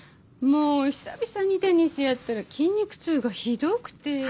もう久々にテニスやったら筋肉痛がひどくて。